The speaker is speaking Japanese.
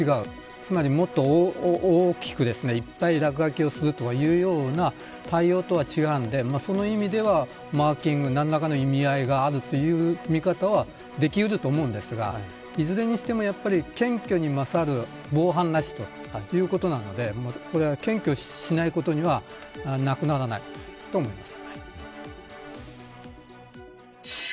つまり、もっと大きくいっぱい落書きをするというような対応とは違うので、その意味ではマーキング、何らかの意味合いがあるという見方はできうると思うんですがいずれにしても、やっぱり検挙に勝る防犯なしということなのでこれは検挙しないことにはなくならないと思います。